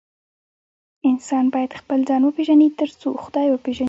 انسان بايد خپل ځان وپيژني تر څو خداي وپيژني